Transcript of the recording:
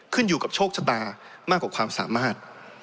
ขึ้นอยู่กับโชคชะตามากกว่าความสามารถ